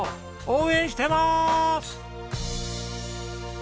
応援してまーす！